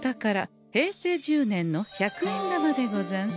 平成１０年の百円玉でござんす。